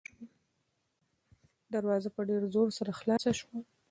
دروازه په ډېر زور سره خلاصه شوه.